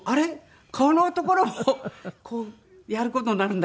顔のところをこうやる事になるんだけれど。